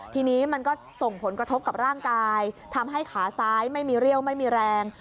ทีนี้มันก็ส่งผลกระทบกับร่างกายทำให้ขาซ้ายไม่มีเรี่ยวไม่มีแรง